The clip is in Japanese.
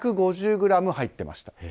２５０ｇ入っていました。